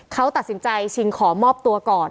เขาตัดสินใจชิงขอมอบตัวก่อน